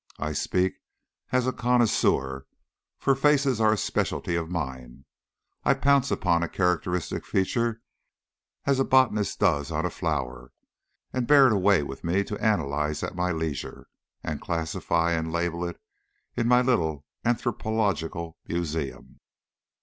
I speak as a connoisseur, for faces are a specialty of mine. I pounce upon a characteristic feature as a botanist does on a flower, and bear it away with me to analyse at my leisure, and classify and label it in my little anthropological museum.